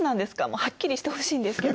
もうはっきりしてほしいんですけど。